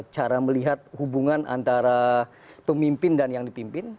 cara melihat hubungan antara pemimpin dan yang dipimpin